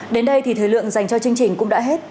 đến đây thì thời lượng dành cho chương trình cũng đã hết